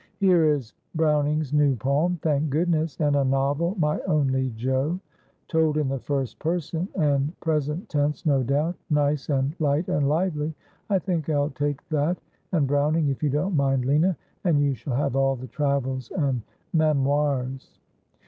' Here is Browning's new poem, thank goodneas ! and a novel, " My Only Jo." Told in the first person and pre 180 AspJiodel. sent tense, no doubt ; nice and light and lively. I think I'll take that and Browning, if you don't mind, Lina ; and you shall have all the Travels and Memoirs.'